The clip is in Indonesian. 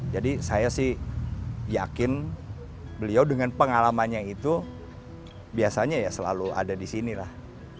jadi saya sih yakin beliau dengan pengalamannya itu biasanya ya selalu ada di sini lah